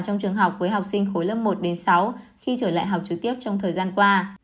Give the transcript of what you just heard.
trong trường học với học sinh khối lớp một đến sáu khi trở lại học trực tiếp trong thời gian qua